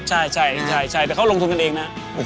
ใช่แต่เขาลงทุนกันเองนะ